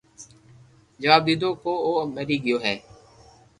جواب ديدو ڪو او مري گيو ھي